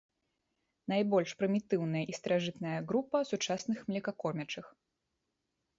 Найбольш прымітыўная і старажытная група сучасных млекакормячых.